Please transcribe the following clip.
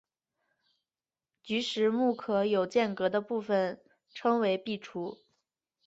菊石目壳有间隔的部份称为闭锥。